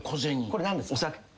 これ何ですか？